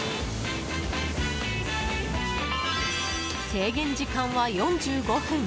制限時間は４５分。